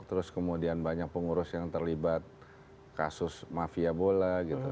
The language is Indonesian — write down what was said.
terus kemudian banyak pengurus yang terlibat kasus mafia bola gitu